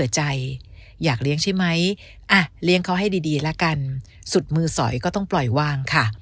ใช่ไหมเลี้ยงเขาให้ดีแล้วกันสุดมือสอยก็ต้องปล่อยว่างค่ะ